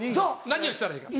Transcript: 何をしたらいいか。